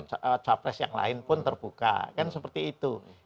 cawa pres yang lain pun terbuka kan seperti itu